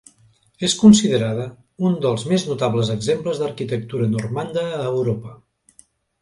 És considerada un dels més notables exemples d'arquitectura normanda a Europa.